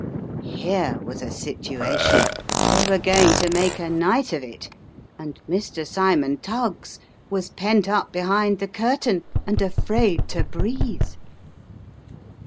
Here was a situation ! They were going to make a night of it ! And Mr. Cymon Tuggs was pent up behind the curtain and afraid to breathe